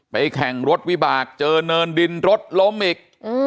แข่งรถวิบากเจอเนินดินรถล้มอีก